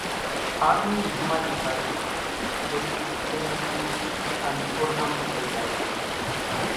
آۮمِي نِي ۿماۮِي ۿارُو پڻ ڳل، اڳر ٻتيون انين اوڍامڻي لئي زائي سي۔